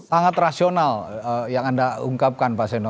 sangat rasional yang anda ungkapkan pak seno